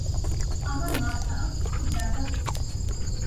আমার মাথা খুব ব্যাথা করছে।